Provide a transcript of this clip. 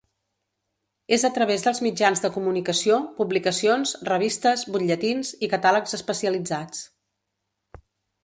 És a través dels mitjans de comunicació, publicacions, revistes, butlletins i catàlegs especialitzats.